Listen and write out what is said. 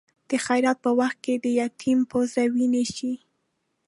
د خیرات په وخت کې د یتیم پزه وینې شي.